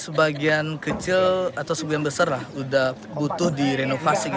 sebagian kecil atau sebagian besar lah sudah butuh direnovasi